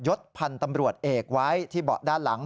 ศพันธ์ตำรวจเอกไว้ที่เบาะด้านหลัง